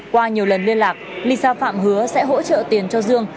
qua nhiều lần liên lạc lisa phạm hứa sẽ hỗ trợ tiền cho dương